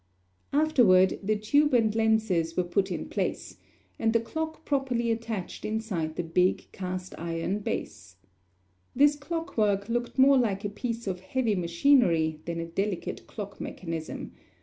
Afterward the tube and lenses were put in place, and the clock properly attached inside the big cast iron base. This clock work looked more like a piece of heavy machinery than a delicate clock mechanism.